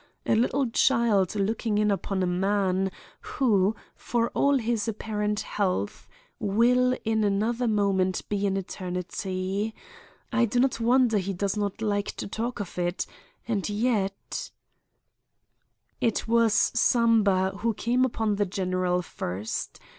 A little child looking in upon a man, who, for all his apparent health, will in another moment be in eternity—I do not wonder he does not like to talk of it, and yet— "'It was Samba who came upon the general first.